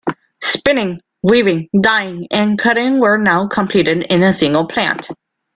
Spinning, weaving, dying, and cutting were now completed in a single plant.